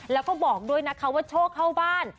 แล้วก็บอกด้วยนะคะว่าโชคเข้าบ้าน